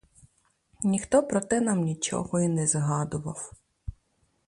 Ніхто про те нам нічого й не згадував.